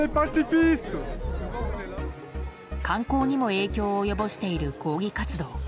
観光にも影響を及ぼしている抗議活動。